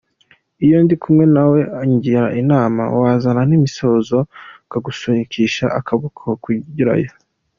Iyo ndi kumwe na we angira inama, wazana n’imizozo akagusunikisha akaboko ukigirayo.